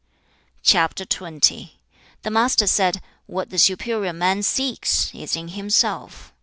CHAP. XX. The Master said, 'What the superior man seeks, is in himself.